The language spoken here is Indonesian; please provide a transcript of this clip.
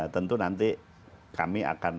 tentu nanti kami akan